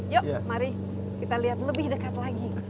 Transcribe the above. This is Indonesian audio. yuk mari kita lihat lebih dekat lagi